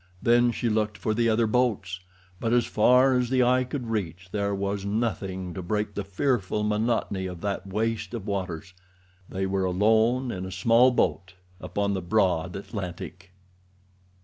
Then she looked for the other boats, but as far as the eye could reach there was nothing to break the fearful monotony of that waste of waters—they were alone in a small boat upon the broad Atlantic.